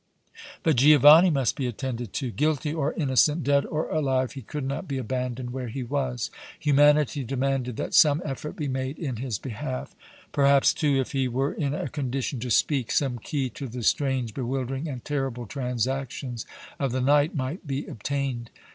But Giovanni must be attended to. Guilty or innocent, dead or alive, he could not be abandoned where he was. Humanity demanded that some effort be made in his behalf. Perhaps, too, if he were in a condition to speak, some key to the strange, bewildering and terrible transactions of the night might be obtained.